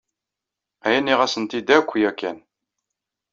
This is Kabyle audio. Aya nniɣ-asen-t-id akk yakan.